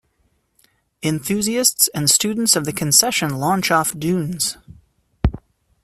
Enthusiasts and students of the concession launch off dunes.